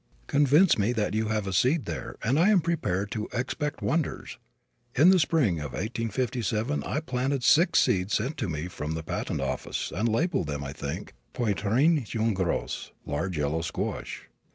Convince me that you have a seed there, and I am prepared to expect wonders.... In the spring of 1857 I planted six seeds sent to me from the Patent Office, and labeled, I think, 'Poitrine jaune grosse,' large yellow squash.